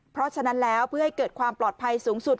เพราะฉะนั้นแล้วเพื่อให้เกิดความปลอดภัยสูงสุด